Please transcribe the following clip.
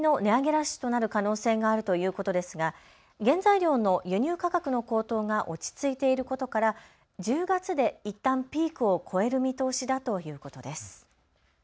ラッシュとなる可能性があるということですが原材料の輸入価格の高騰が落ち着いていることから１０月でいったんピークを超える見通しだということです。